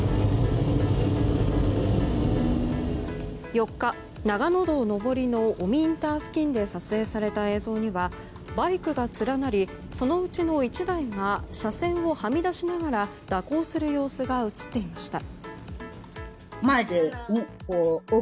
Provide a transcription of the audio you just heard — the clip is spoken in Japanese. ４日、長野道上りの麻績インター付近で撮影された映像にはバイクが連なりそのうちの１台が車線をはみ出しながら蛇行する様子が映っていました。